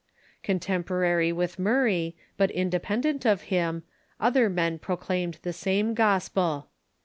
Contemporary with Murray, but independent of him, other men proclaimed the same gospel.